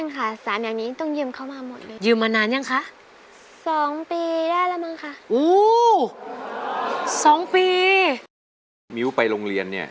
ต้นเถ้านมร่วง